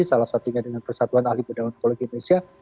salah satunya dengan persatuan ahli budaya onkologi indonesia